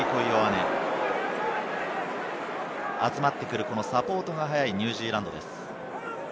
集まってくるサポートが速いニュージーランドです。